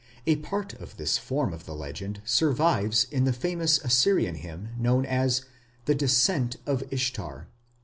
A part of this form of the legend survives in the famous Assyrian hymn known as "The Descent of Ishtar